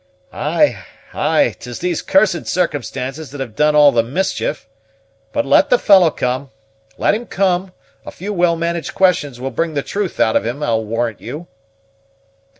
"Ay, ay, 'tis these cursed circumstances that have done all the mischief. But let the fellow come; let him come; a few well managed questions will bring the truth out of him, I'll warrant you."